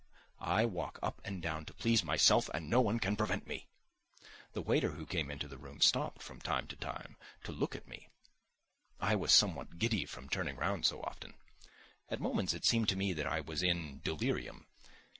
"I walk up and down to please myself and no one can prevent me." The waiter who came into the room stopped, from time to time, to look at me. I was somewhat giddy from turning round so often; at moments it seemed to me that I was in delirium.